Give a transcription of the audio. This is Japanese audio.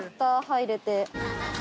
入れて。